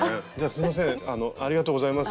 すみませんありがとうございます。